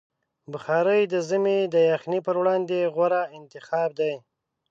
بخاري د ژمي د یخنۍ پر وړاندې غوره انتخاب دی.